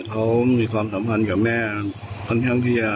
พออย่างนี้พวกมันจะไม่อยู่กันถ้าแม่ตายจะตายด้วย